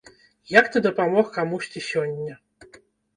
Як ты дапамог камусьці сёння?